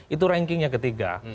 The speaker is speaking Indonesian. itu rankingnya ketiga